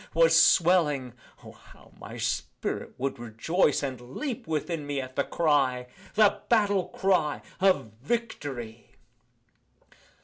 was swelling (O! how my spirit would rejoice, And leap within me at the cry) The battle cry of Victory!